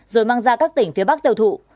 rồi mang ra các tỉnh phía bắc tiêu thụ